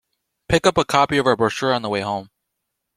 Pick up a copy of our brochure on the way home.